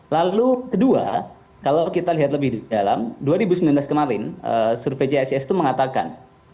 lalu kedua kalau kita lihat lebih dalam dua ribu sembilan belas kemarin survei csis itu mengatakan